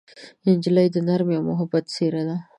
نجلۍ د نرمۍ او محبت څېره ده.